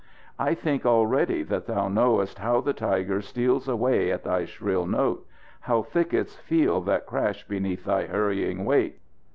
"I think already that thou knowest how the tiger steals away at thy shrill note; how thickets feel that crash beneath thy hurrying weight!